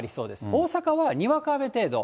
大阪はにわか雨程度。